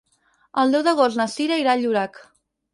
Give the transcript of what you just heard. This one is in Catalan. El deu d'agost na Cira irà a Llorac.